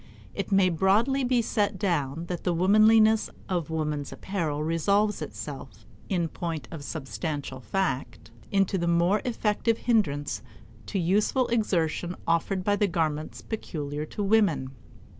It may broadly be set down that the womanliness of woman's apparel resolves itself, in point of substantial fact, into the more effective hindrance to useful exertion offered by the garments peculiar to women.